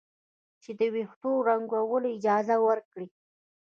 چې د ویښتو د رنګولو اجازه ورکړي.